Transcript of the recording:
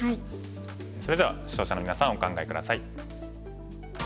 それでは視聴者のみなさんお考え下さい。